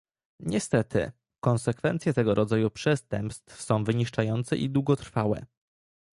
Niestety, konsekwencje tego rodzaju przestępstw są wyniszczające i długotrwałe